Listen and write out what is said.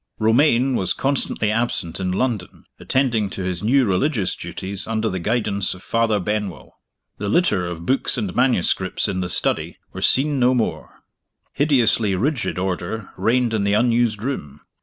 Romayne was constantly absent in London, attending to his new religious duties under the guidance of Father Benwell. The litter of books and manuscripts in the study was seen no more. Hideously rigid order reigned in the unused room.